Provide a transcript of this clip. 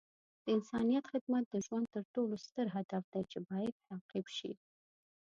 د انسانیت خدمت د ژوند تر ټولو ستر هدف دی چې باید تعقیب شي.